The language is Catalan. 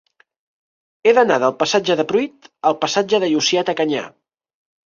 He d'anar del passatge de Pruit al passatge de Llucieta Canyà.